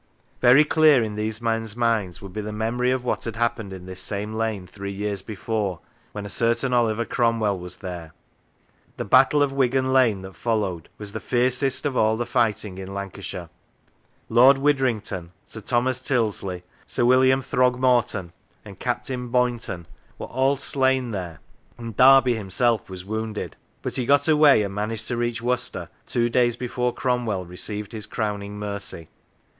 Very clear in these men's minds would be the memory of what had happened in this same lane three years before, when a certain Oliver Cromwell was there. The Battle of Wigan Lane that followed was the fiercest of all the fighting in Lancashire. Lord Widdrington, Sir Thomas Tyldesley, Sir William Throgmorton, and Captain Boynton, were all slain there, and Derby himself was wounded, but he got away, and managed to reach Worcester two days before Cromwell received his crowning mercy.